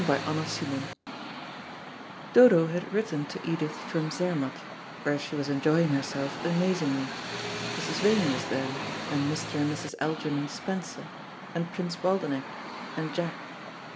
CHAPTER SIXTEEN Dodo had written to Edith from Zermatt, where she was enjoying herself amazingly. Mrs. Vane was there, and Mr. and Mrs. Algernon Spencer, and Prince Waldenech and Jack.